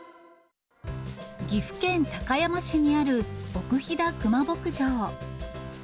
岐阜県高山市にある奥飛騨クマ牧場。